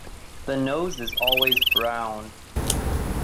The nose is always brown.